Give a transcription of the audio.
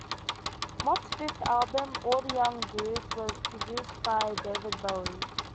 Mott's fifth album, "All the Young Dudes", was produced by David Bowie.